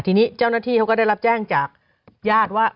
ทีนี้เจ้าหน้าที่เขาก็ได้รับแจ้งจากญาติว่า